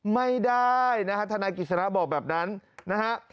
ไม่ได้นะฮะทนายกิจสระบอกแบบนั้นนะฮะ